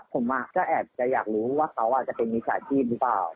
ผมก็แอบจะอยากรู้ว่าเขาจะเป็นมิจฉาชีพหรือเปล่า